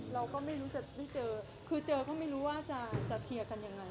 เราก็ไม่รู้จะได้เจอคือเจอก็ไม่รู้ว่าจะเคลียร์กันยังไง